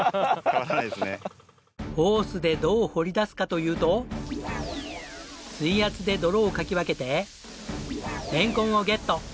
ホースでどう掘り出すかというと水圧で泥をかき分けてれんこんをゲット。